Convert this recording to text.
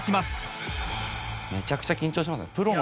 めちゃくちゃ緊張しますね。